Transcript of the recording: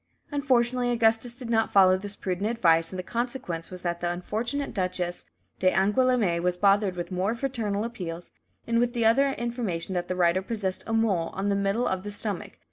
Unfortunately, Augustus did not follow this prudent advice, and the consequence was that the unfortunate Duchess d'Angoulême was bothered with more fraternal appeals, and with the information that the writer possessed a mole "on the middle of the stomach."